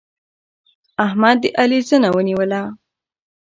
احمد د علي زنه ونيوله.